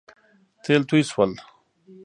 تېل توی شول